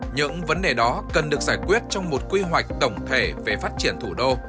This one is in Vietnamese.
những vấn đề đó cần được giải quyết trong một quy hoạch tổng thể về phát triển thủ đô